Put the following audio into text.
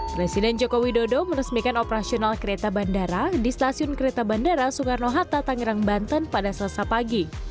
presiden joko widodo meresmikan operasional kereta bandara di stasiun kereta bandara soekarno hatta tangerang banten pada selasa pagi